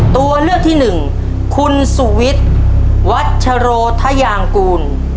ตัวเลือกที่หนึ่งคุณสุวิทย์วัชโรธยางกูล